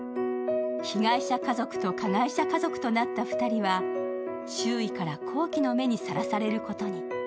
被害者家族と加害者家族となった２人は、周囲から好奇の目にさらされることに。